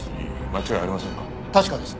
確かです。